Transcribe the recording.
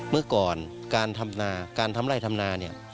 เมื่อก่อนการทำไร่ทำนาเนี่ย